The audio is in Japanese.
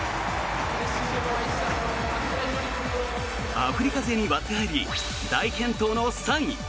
アフリカ勢に割って入り大健闘の３位。